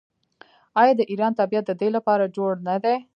آیا د ایران طبیعت د دې لپاره جوړ نه دی؟